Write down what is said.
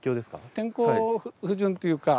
天候不順というか。